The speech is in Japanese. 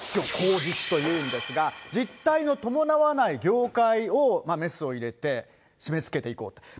脱虚向実というんですが、実体の伴わない業界をメスを入れて締めつけていこうと。